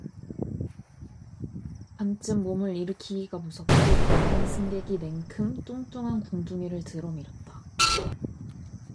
동혁이가 반쯤 몸을 일으키기가 무섭게 다른 승객이 냉큼 뚱뚱한 궁둥이를 들여밀었다.